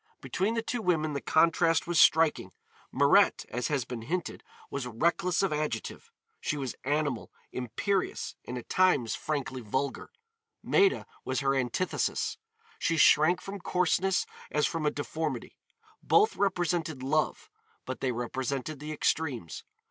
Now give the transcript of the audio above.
Between the two women the contrast was striking. Mirette, as has been hinted, was reckless of adjective; she was animal, imperious, and at times frankly vulgar. Maida was her antithesis. She shrank from coarseness as from a deformity. Both represented Love, but they represented the extremes.